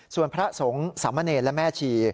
ส่วนพระสงฆ์สามเณรและแม่ชี